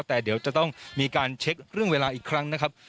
แต่เดี๋ยวจะต้องมีการเช็คเรื่องเวลาอีกครั้งนะครับ